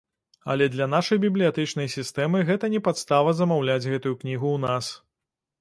Але для нашай бібліятэчнай сістэмы гэта не падстава замаўляць гэтую кнігу ў нас.